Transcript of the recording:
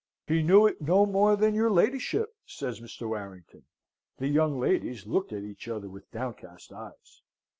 "He knew it no more than your ladyship," says Mr. Warrington. The young ladies looked at each other with downcast eyes.